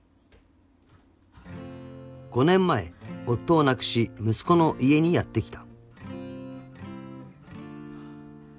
［５年前夫を亡くし息子の家にやって来た］